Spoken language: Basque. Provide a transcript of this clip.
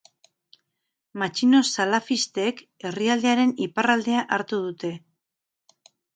Matxino salafistek herrialdearen iparraldea hartu dute.